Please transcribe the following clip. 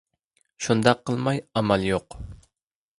شۇنداق قىلماي ئامال يوق!